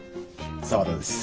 沢田です。